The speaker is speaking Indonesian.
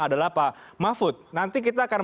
adalah pak mahfud nanti kita akan